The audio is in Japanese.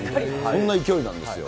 そんな勢いなんですよ。